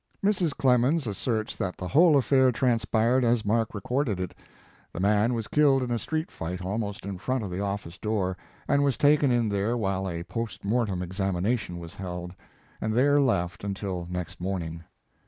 Mrs. 24 Mark Twain Clemens asserts that the whole affair transpired as Mark recorded it the man was killed in a street fight almost in front * of the office door, and was taken in there while & post mortem examination was held, and there left until next morning.